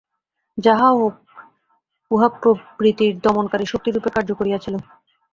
যাহাই হউক, উহা প্রবৃত্তির দমনকারী শক্তিরূপে কার্য করিয়াছিল।